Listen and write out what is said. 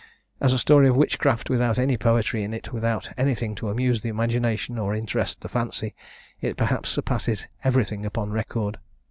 As a story of witchcraft, without any poetry in it, without anything to amuse the imagination, or interest the fancy, it, perhaps, surpasses everything upon record.